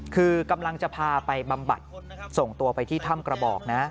คือกำลังจะพาไปบำบัดส่งตัวไปที่ถ้ำกระบอกนะ